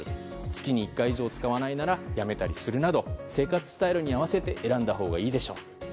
月に１回以上使わないならやめたりするなど生活スタイルに合わせて選んだりするほうがいいでしょう。